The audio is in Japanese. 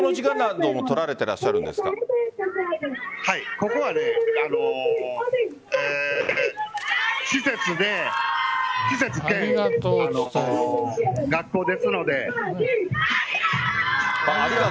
ここは施設兼学校ですので。